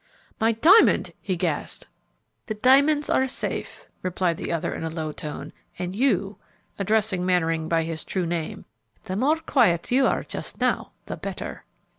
"My diamond!" he gasped. "The diamonds are safe," replied the other in a low tone, "and you," addressing Mannering by his true name, "the more quiet you are just now the better."